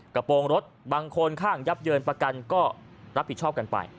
โปรงรถบางคนข้างยับเยินประกันก็รับผิดชอบกันไป